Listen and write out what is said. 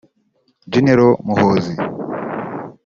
Gen Muhozi